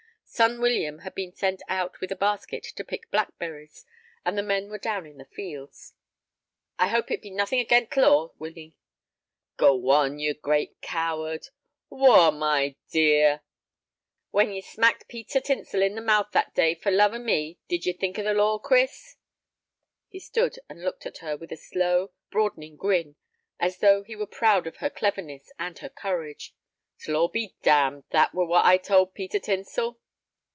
Son William had been sent out with a basket to pick blackberries, and the men were down in the fields. "I hope it be nothing agen t' law, Winnie." "Go on, you great coward!" "Woa, my dear!" "When ye smacked Peter Tinsel on the mouth that day for love of me, did ye think of the law, Chris?" He stood and looked at her with a slow, broadening grin, as though he were proud of her cleverness and her courage. "T' law be damned; that were what I told Peter Tinsel."